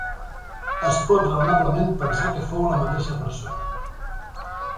Es pot raonablement pensar que fou la mateixa persona.